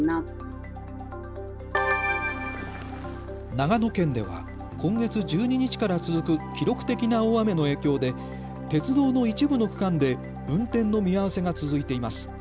長野県では今月１２日から続く記録的な大雨の影響で鉄道の一部の区間で運転の見合わせが続いています。